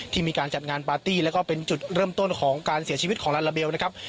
มีการจัดงานปาร์ตี้แล้วก็เป็นจุดเริ่มต้นของการเสียชีวิตของลาลาเบลนะครับ